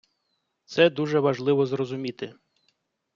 Це дуже важливо зрозуміти.